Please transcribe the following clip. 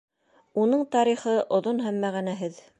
Уның тарихы оҙон һәм мәғәнәһеҙ.